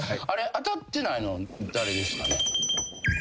当たってないの誰ですかね？